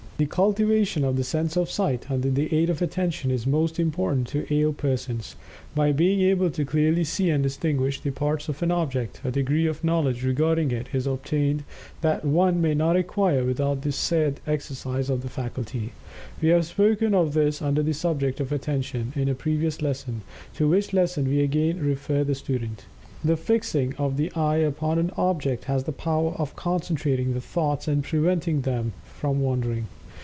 The cultivation of the sense of Sight, under the aid of Attention is most important to ail persons. By being able to clearly see and distinguish the parts of an object, a degree of knowledge regarding it is obtained that one may not acquire without the said exercise of the faculty. We have spoken of this under the subject of Attention, in a previous lesson, to which lesson we again refer the student. The fixing of the eye upon an object has the power of concentrating the thoughts and preventing them from wandering.